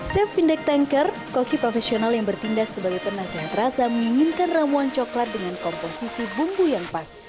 chef vindek tengker koki profesional yang bertindak sebagai penasehat rasa menginginkan ramuan coklat dengan komposisi bumbu yang pas